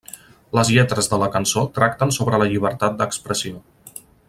Les lletres de la cançó tracten sobre la llibertat d'expressió.